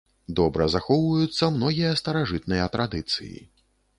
Добра захоўваюцца многія старажытныя традыцыі.